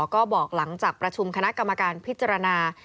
ก็บอกหลังจากประชุมคณะกรรมการพิจารณา